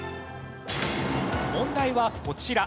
問題はこちら。